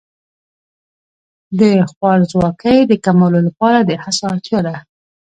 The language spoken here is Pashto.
د خوارځواکۍ د کمولو لپاره د هڅو اړتیا ده.